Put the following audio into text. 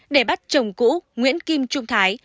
để bắt chồng cũ nguyễn kim trung thái